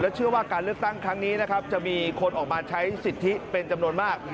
เชื่อว่าการเลือกตั้งครั้งนี้นะครับจะมีคนออกมาใช้สิทธิเป็นจำนวนมาก